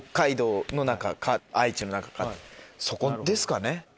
そこですかね。